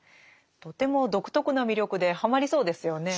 とても独特な魅力ではまりそうですよね。